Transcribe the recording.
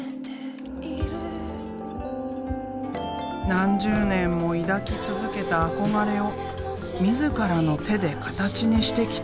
何十年も抱き続けた憧れを自らの手でカタチにしてきた。